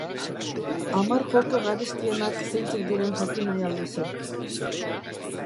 Hamar joko garestienak zeintzuk diren jakin nahi al duzu?